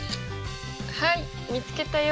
はい見つけたよ